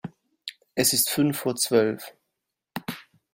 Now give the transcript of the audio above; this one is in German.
Es ist fünf vor Zwölf.